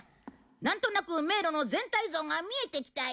なんとなく迷路の全体像が見えてきたよ。